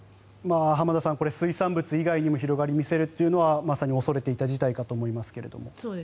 浜田さん、水産物以外にも広がりを見せるというのはまさに恐れていた事態かと思いますが。